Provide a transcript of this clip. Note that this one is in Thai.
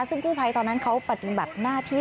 ซึ่งกู้ภัยตอนนั้นเขาปฏิบัติหน้าที่